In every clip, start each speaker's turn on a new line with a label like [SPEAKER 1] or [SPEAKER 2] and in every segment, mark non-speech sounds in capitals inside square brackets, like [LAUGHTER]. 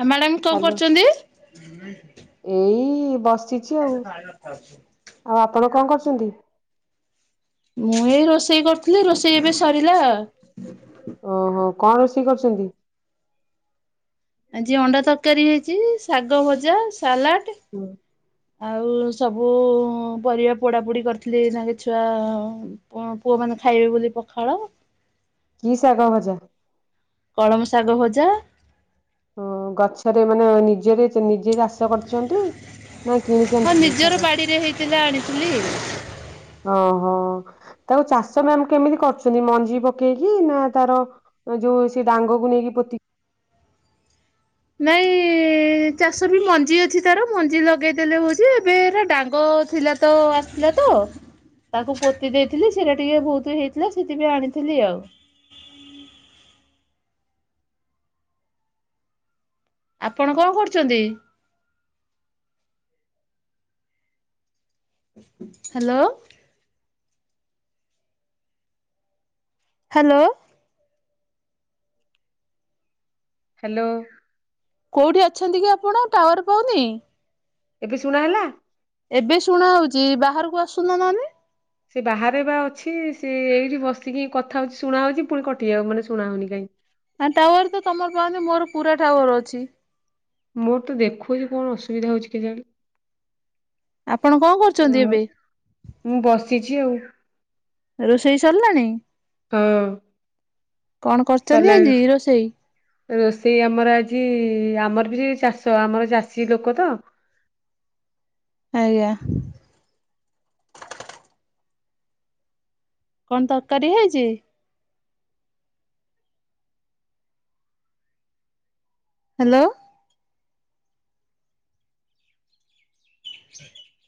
[SPEAKER 1] ଆଉ ମ୍ୟାଡାମ କଣ
[SPEAKER 2] ହ୍ୟାଲୋ
[SPEAKER 1] କରୁଛନ୍ତି?
[SPEAKER 2] ଏଇ ବସି
[SPEAKER 1] [UNINTELLIGIBLE]
[SPEAKER 2] ଆଉ ଆପଣ କଣ କରୁଛନ୍ତି?
[SPEAKER 1] ମୁଁ ଏଇ ରୋଷେଇ କରୁଥିଲି ରୋଷେଇ ଏବେ ସରିଲା।
[SPEAKER 2] ଓହୋ କଣ ରୋଷେଇ କରିଛନ୍ତି?
[SPEAKER 1] ଆଜି ଅଣ୍ଡା ତରକାରୀ ହେଇଛି ଶାଗ ଭଜା ସାଲାଟ।
[SPEAKER 2] ହୁଁ।
[SPEAKER 1] ଆଉ ସବୁ ପରିବା ପୋଡାପୋଡ଼ି କରିଥିଲି ତାଙ୍କେ ଛୁଆ ପୁଅ ପୁଅ ମାନେ ଖାଇବେ ବୋଲି ପଖାଳ।
[SPEAKER 2] କି ଶାଗ ଭଜା।
[SPEAKER 1] କଳମ ଶାଗ ଭଜା।
[SPEAKER 2] ଓ ଗଛରେ ମାନେ ନିଜରେ ନିଜେ ଚାଷ କରଛନ୍ତି?
[SPEAKER 1] ହଁ ନିଜର ବାଡିରେ ହେଇଥିଲା ଆଣିଥିଲି।
[SPEAKER 2] ଓ ହଁ। ତାକୁ ଚାଷ ମ୍ୟାମ କେମିତି କରୁଛନ୍ତି ମଞ୍ଜି ପକେଇକି ନା ତାର ଯୋଉ ସେ ଡାଙ୍ଗକୁ ନେଇକି ପୋତିକି।
[SPEAKER 1] ନାଇଁ ଚାଷ ବି ମଞ୍ଜି ଅଛି ତାର ମଞ୍ଜି ଲଗେଇଦେଲେ ହଉଛି ଏବେ ଏରା ଡାଙ୍ଗ ଥିଲା ତ ଆସିଥିଲା ତ? ତାକୁ ପୋତି ଦେଇଥିଲି ସେଇରା ଟିକେ ବହୁତ ହେଇଥିଲା, ସେଥିପାଇଁ ଆଣିଥିଲି ଆଉ। ଆପଣ କଣ କରୁଛନ୍ତି? ହାଲୋ। ହାଲୋ।
[SPEAKER 2] ହାଲୋ।
[SPEAKER 1] କୋଉଠି ଅଛନ୍ତି କି ଆପଣ ଟାୱାର ପାଉନି।
[SPEAKER 2] ଏବେ ଶୁଣା ହେଲା?
[SPEAKER 1] ଏବେ ଶୁଣା ହଉଛି ବାହାରକୁ ଆସୁନ ନହେନେ?
[SPEAKER 2] ସେ ବାହାରେ ବା ଅଛି ସିଏ ଏଇଠି ବସିକି କଥା ହଉଛି ଶୁଣାହଉଛି ପୁଣି କଟି ମାନେ ଶୁଣା ହଉନି କାଇଁ।
[SPEAKER 1] ଆ ଟାୱାର ତ ତମର ପାଉନି ମୋର ପୁରା ଟାୱାର ଅଛି।
[SPEAKER 2] ମୋର ତ ଦେଖୁଛି କଣ ଅସୁବିଧା ହଉଛି କେଜାଣି।
[SPEAKER 1] ଆପଣ କଣ କରୁଛନ୍ତି
[SPEAKER 2] ହୁଁ
[SPEAKER 1] ଏବେ?
[SPEAKER 2] ମୁଁ ବସିଛି ଆଉ।
[SPEAKER 1] ରୋଷେଇ ସରିଲାଣି?
[SPEAKER 2] କଁ।
[SPEAKER 1] କଣ କରିଚନ୍ତି ଆଜି ରୋଷେଇ?
[SPEAKER 2] ରୋଷେଇ ଆମର ଆଜି ଇ, ଆମର ବି ସେଇ ଚାଷ, ଆମର ଚାଷୀ ଲୋକ ତ।
[SPEAKER 1] ଆଜ୍ଞା। କଣ ତରକାରୀ ହେଇଚ଼ି? ହାଲୋ।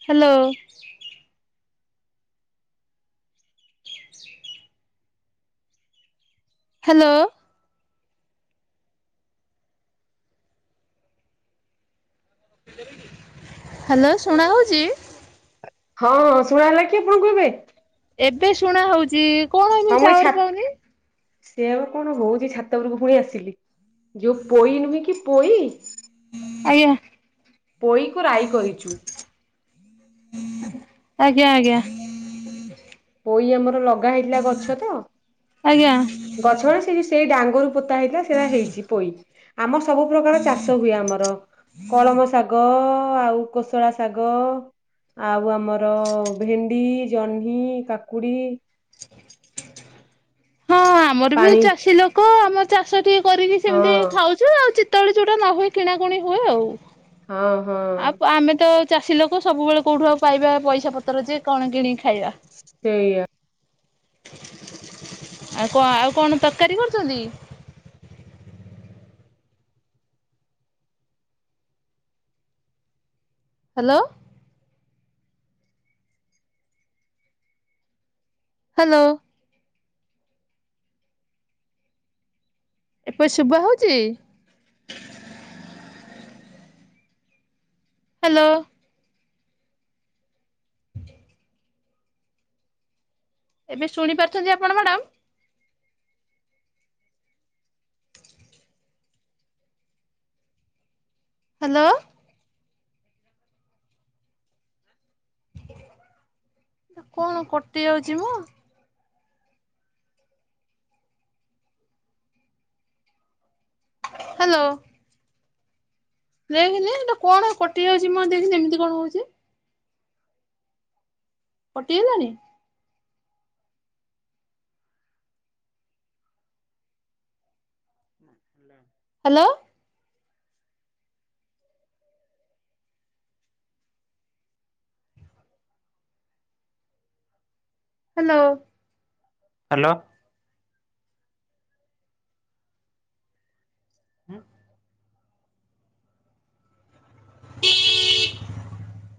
[SPEAKER 1] ହାଲୋ। ହାଲୋ। ହାଲୋ, ଶୁଣା ହଉଚ଼ି?
[SPEAKER 2] ହଁଁ ହଁ, ଶୁଣା ହେଲା, କିଏ ଫୋନ କର୍ ବେ?
[SPEAKER 1] ଏବେ ଶୁଣା ହଉଚ଼ି ଇ।
[SPEAKER 2] ହଁ, ମୁଁ ଏଇ ଛାତ୍, ସେଇଆପା କଣ ହଉଚ଼ି, ଛାତ ଉପରକୁ ପଳେଇ ଆସିଥିଲି। ଯୋଉ ପୋଇ ନୁହେଁ କି? ପୋଇ
[SPEAKER 1] ଆଜ୍ଞା
[SPEAKER 2] ପୋଇ କୁ ରାଇ କରିଚୁ।
[SPEAKER 1] ଆଜ୍ଞା ଆଜ୍ଞା।
[SPEAKER 2] ପୋଇ ଆମର ଲଗା ହେଇଥିଲା ଗଛ ତ।
[SPEAKER 1] ଆଜ୍ଞା।
[SPEAKER 2] ଗଛ ମାନେ, ସେ ଯୋଉ ସେ ଡାଙ୍ଗରୁ ପୋତା ହେଇଥିଲା, ସେରା ହେଇଚ଼ି ପୋଇ। ଆମର୍ ସବୁ ପ୍ରକାର ଚାଷ ହୁଏ, ଆମର। କଳମ ଶାଗ ଆଉ କୋଶଳା ଶାଗ। ଆଉ ଆମର ଭେଣ୍ଡି, ଜହ୍ନି, କାକୁଡି।
[SPEAKER 1] ହଁ ଆମର ବି
[SPEAKER 2] ପାଣି
[SPEAKER 1] ଚାଷୀ ଲୋକ, ଆମର୍ ଚାଷ ଟିକେ କରିକି ସେମିତି
[SPEAKER 2] ହଁ
[SPEAKER 1] ଖାଉ ଚୁ, ଆଉ ଚିତଏଳେ ଯୋଉଟା ନ ହୁଏ, କିଣାକୁଣି ହୁଏ ଆଉ।
[SPEAKER 2] ହଁ ହଁ
[SPEAKER 1] ଆପ୍ ଆଉ ଆମେ ତ ଚାଷୀ ଲୋକ, ସବୁବେଳେ କୋଉଠୁ ଆଉ ପାଇବା ପଇସା ପତ୍ର ଯେ, କଣ କିଣିକି ଖାଇବା?
[SPEAKER 2] ସେୟା।
[SPEAKER 1] ଆଉ କଁ, ଆଉ କଣ ତରକାରୀ କରଚ଼ନ୍ତି? ହାଲୋ। ହାଲୋ। ଏପେ ଶୁବା ହଉଚ଼ି? ହାଲୋ। [INAUDIBLE] ଏବେ ଶୁଣିପାରୁଚ଼ନ୍ତି ଆପଣ ମ୍ୟାଡ଼ାମ୍? ହାଲୋ। କଣ କଟି ଯାଉଚ଼ି ମ? ହାଲୋ। ଦେଖେନି, ଏଟା କଣ କଟିଯାଉଚ଼ି ମ, ଦେଖେନି ଏମିତି କଣ ହଉଚ଼ି? ପଟିଅଲାଣି। ହାଲୋ। ହାଲୋ। ଉଁ। [UNINTELLIGIBLE]